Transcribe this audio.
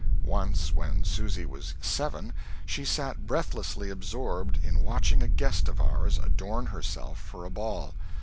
Once, when Susy was seven, she sat breathlessly absorbed in watching a guest of ours adorn herself for a ball.